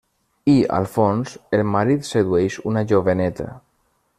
I, al fons, el marit sedueix una joveneta.